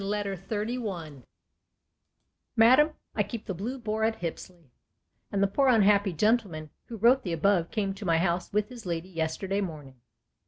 Madam, I keep the Blue Boar at Hipsley; and the poor unhappy gentleman who wrote the above came to my house with his lady yesterday morning.